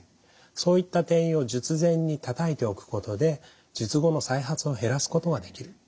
そういった転移を術前にたたいておくことで術後の再発を減らすことができる。